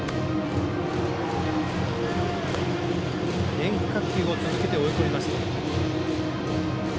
変化球を続けて追い込みました。